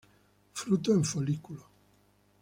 Fruto en folículo.